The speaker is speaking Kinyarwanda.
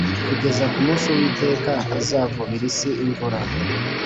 kugeza ku munsi Uwiteka azavubira isi imvura